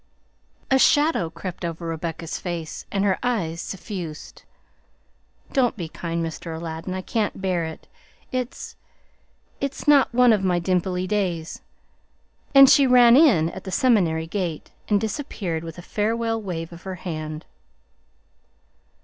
A shadow crept over Rebecca's face and her eyes suffused. "Don't be kind, Mr. Aladdin, I can't bear it; it's it's not one of my dimply days!" and she ran in at the seminary gate, and disappeared with a farewell wave of her hand.